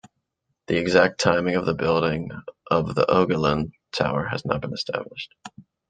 The exact timing of the building of the Ogulin tower has not been established.